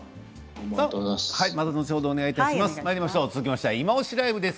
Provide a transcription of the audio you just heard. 後ほどお願いします。